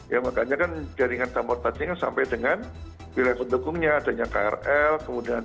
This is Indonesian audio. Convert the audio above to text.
ya makanya kan jaringan transportasi sampai dengan wilayah pendukungnya adanya krl kemudian